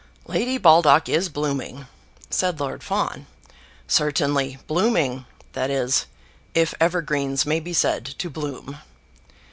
"Lady Baldock is blooming," said Lord Fawn; "certainly blooming; that is, if evergreens may be said to bloom."